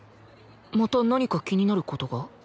また何か気になる事が？